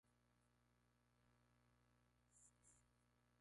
Estudió en el Seminario Mayor de Almería.